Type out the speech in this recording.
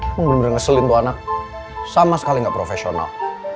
emang bener bener ngeselin tuh anak sama sekali nggak profesional